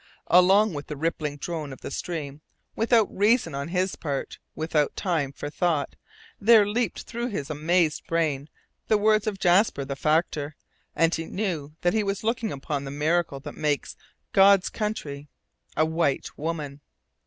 Along with the rippling drone of the stream, without reason on his part without time for thought there leaped through his amazed brain the words of Jasper, the factor, and he knew that he was looking upon the miracle that makes "God's Country" a white woman!